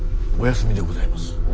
お休みでございます。